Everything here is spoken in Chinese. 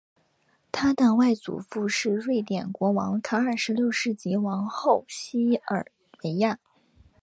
他的外祖父母是瑞典国王卡尔十六世及王后西尔维娅。